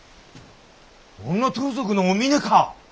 女盗賊のお峰か！